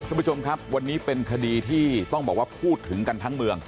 คุณผู้ชมครับวันนี้เป็นคดีที่ต้องบอกว่าพูดถึงกันทั้งเมือง